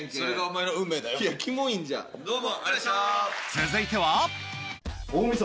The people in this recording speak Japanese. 続いては？